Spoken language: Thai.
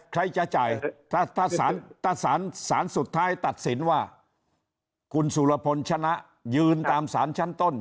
ใครจะจ่ายถ้าสารสุดท้ายตัดสินว่าคุณสุรพลชนะยืนตามสารชั้นต้น